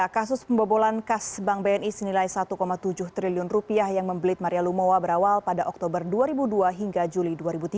kasus pembobolan kas bank bni senilai satu tujuh triliun rupiah yang membelit maria lumowa berawal pada oktober dua ribu dua hingga juli dua ribu tiga